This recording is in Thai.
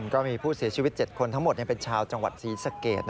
ก็มีผู้เสียชีวิต๗คนทั้งหมดเป็นชาวจังหวัดศรีสะเกด